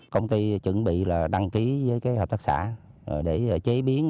công ty chuẩn bị đăng ký với hợp tác xã để chế biến